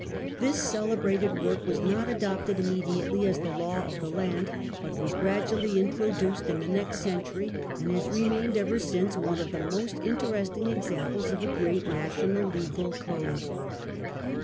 This celebrated work was not adopted immediately as the law of the land, but was gradually introduced in the next century and has remained ever since one of the most interesting ex amples of a gi eat national Legal Code.